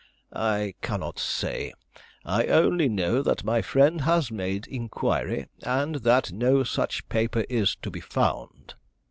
"I cannot say. I only know that my friend has made inquiry, and that no such paper is to be found."